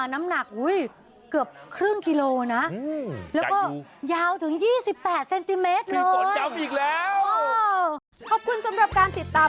น้ำหนักเกือบครึ่งกิโลนะ